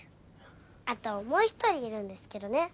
あともう一人いるんですけどね